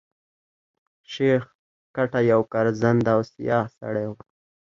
شېخ کټه يو ګرځنده او سیاح سړی وو.